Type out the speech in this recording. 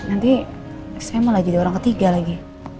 nanti saya malah jadi orang ketiga lagi